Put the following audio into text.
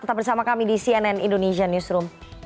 tetap bersama kami di cnn indonesia newsroom